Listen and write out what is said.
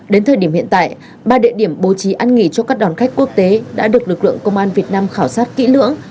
đến thời điểm hiện tại ba địa điểm bố trí ăn nghỉ cho các đoàn khách quốc tế đã được lực lượng công an việt nam khảo sát kỹ lưỡng